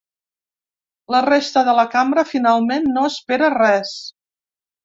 La resta de la cambra, finalment, no espera res.